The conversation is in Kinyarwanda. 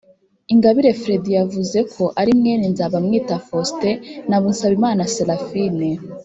Ingabire Freddy yavuze ko ari mwene Nzabamwita Faustin na Musabimana Serafine